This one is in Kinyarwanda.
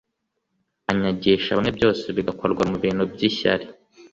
Anyagisha bamwe byose bigakorwa mu bintu by ishyari